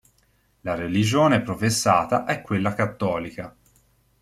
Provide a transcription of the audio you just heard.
La religione professata è quella cattolica.